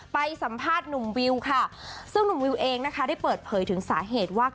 ไปสัมภาษณ์หนุ่มวิวค่ะซึ่งหนุ่มวิวเองนะคะได้เปิดเผยถึงสาเหตุว่า